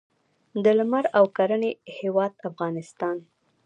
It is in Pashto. د لمر او کرنې هیواد افغانستان.